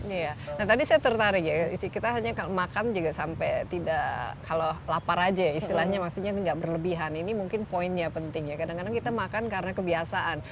iya nah tadi saya tertarik ya kita hanya makan juga sampai tidak kalau lapar aja istilahnya maksudnya tidak berlebihan ini mungkin poinnya penting ya kadang kadang kita makan karena kebiasaan